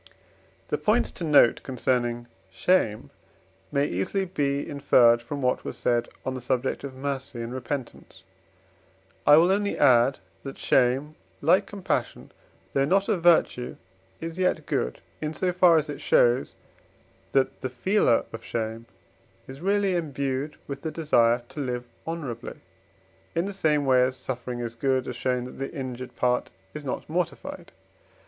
The points to note concerning shame may easily be inferred from what was said on the subject of mercy and repentance. I will only add that shame, like compassion, though not a virtue, is yet good, in so far as it shows, that the feeler of shame is really imbued with the desire to live honourably; in the same way as suffering is good, as showing that the injured part is not mortified.